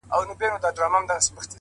زحمت د موخو د رسېدو پل دی.!